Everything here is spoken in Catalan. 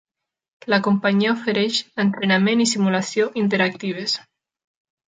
La companyia ofereix "Entrenament i simulació interactives".